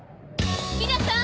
皆さん！